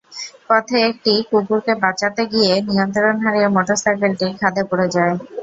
পথে একটি কুকুরকে বাঁচাতে গিয়ে নিয়ন্ত্রণ হারিয়ে মোটরসাইকেলটি খাদে পড়ে যায়।